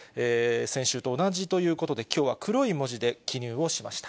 先週と同じということで、きょうは黒い文字で記入をしました。